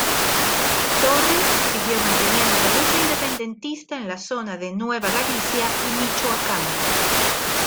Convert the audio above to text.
Torres siguió manteniendo la lucha independentista en la zona de Nueva Galicia y Michoacán.